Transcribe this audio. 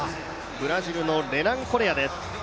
ブラジルのレナン・コレアです。